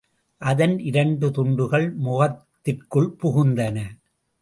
அதன் இரண்டு துண்டுகள் முகத்திற்குள் புகுந்தன.